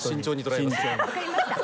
分かりました。